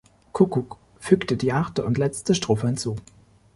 Kukuck fügte die achte und letzte Strophe hinzu.